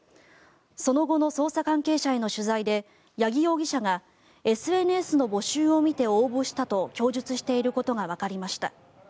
その後の捜査関係者への取材で八木容疑者がＳＮＳの募集を見て応募したと供述していることがわかりました。